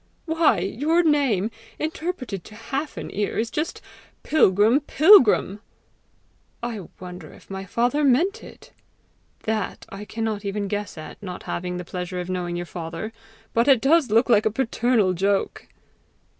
"Why, your name, interpreted to half an ear, is just PILGRIM PILGRIM!" "I wonder if my father meant it!" "That I cannot even guess at, not having the pleasure of knowing your father. But it does look like a paternal joke!"